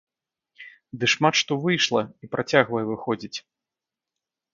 Ды шмат што выйшла і працягвае выходзіць.